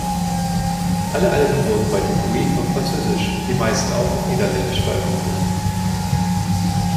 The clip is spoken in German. Alle Alben wurde bei Dupuis auf französisch, die meisten auch auf niederländisch, veröffentlicht.